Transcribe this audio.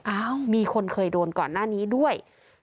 อ้าวมีคนเคยโดนก่อนหน้านี้ด้วย